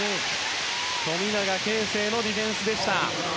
富永啓生のディフェンスでした。